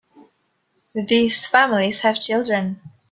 These families have children.